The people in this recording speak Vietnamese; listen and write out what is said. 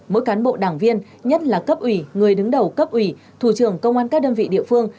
mỗi cán bộ đảng viên nhất là cấp ủy người đứng đầu cấp ủy thủ trưởng công an các đơn vị địa phương